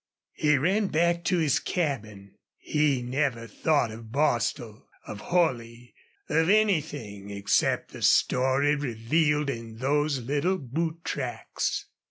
He ran back to his cabin. He never thought of Bostil, of Holley, of anything except the story revealed in those little boot tracks.